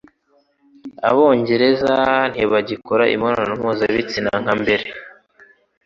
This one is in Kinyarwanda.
Abongereza 'ntibagikora imibonano mpuzabitsina' nka mbere